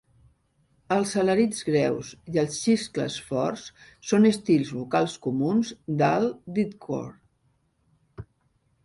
Els alarits greus i els xiscles forts són estils vocals comuns del deathcore.